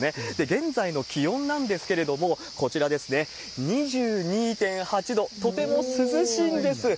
現在の気温なんですけれども、こちらですね、２２．８度、とても涼しいんです。